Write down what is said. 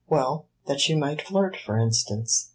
"Well, that she might flirt, for instance."